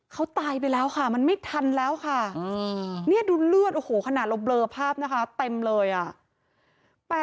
เขาตายไปแล้วค่ะมันไม่ทันแล้วค่ะนี่ดูเลือดโอ้โหขนาดเราเบลอภาพนะคะเต็มเลยอ่ะ